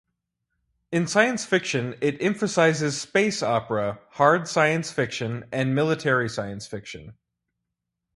In science fiction, it emphasizes space opera, hard science fiction, and military science fiction.